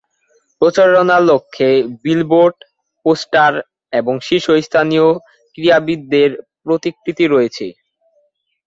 প্রচারণার লক্ষ্যে billboard, poster এবং শীর্ষস্থানীয় ক্রীড়াবিদদের প্রতিকৃতি রয়েছে।